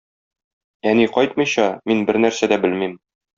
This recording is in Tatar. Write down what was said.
Әни кайтмыйча, мин бернәрсә дә белмим.